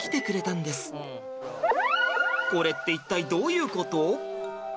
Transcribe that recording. これって一体どういうこと？